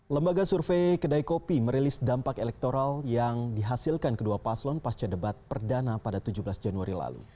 lembaga survei kedai kopi merilis dampak elektoral yang dihasilkan kedua paslon pasca debat perdana pada tujuh belas januari lalu